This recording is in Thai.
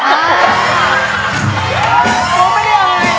ผมไม่ได้ง่าย